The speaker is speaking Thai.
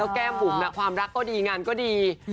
แล้วแก้มบุ๋มนะความรักคุณก็ดี